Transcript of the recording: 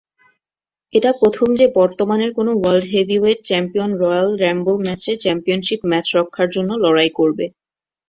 এটা প্রথম যে বর্তমানের কোন world heavyweight champion royal rumble ম্যাচে চ্যাম্পিয়নশীপ ম্যাচ রক্ষার জন্য লড়াই করবে।